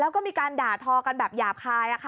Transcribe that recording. แล้วก็มีการด่าทอกันแบบหยาบคาย